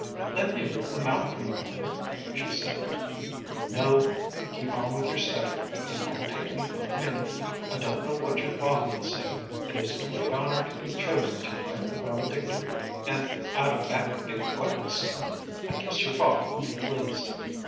"Let me rip them out for you, mother," she said. "No, you keep on with your study it won't take me but a minute. I don't know what your father will say. It is a great honor to be chosen to write the valedictory out of that big class. I guess your father will be pleased."